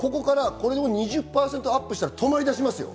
２０％アップしたら止まりだしますよ。